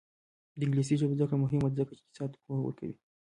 د انګلیسي ژبې زده کړه مهمه ده ځکه چې اقتصاد پوهه ورکوي.